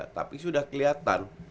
tapi sudah kelihatan